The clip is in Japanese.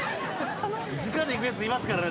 直でいくやついますからね